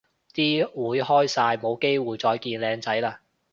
啲會開晒冇機會再見靚仔嘞